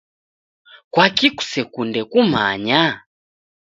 Kwaki kusekunde kumanya?